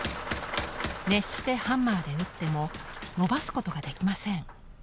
熱してハンマーで打ってものばすことができません。